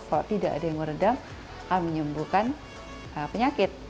kalau tidak ada yang meredam akan menyembuhkan penyakit